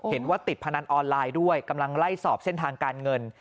เห็นว่าติดพนันออนไลน์ด้วยกำลังไล่สอบเส้นทางการเงิน